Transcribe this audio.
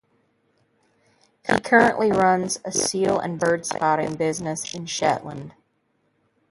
He currently runs a seal and bird spotting business in Shetland.